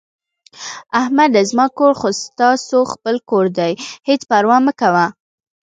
احمده زما کور خو ستاسو خپل کور دی، هېڅ پروا مه کوه...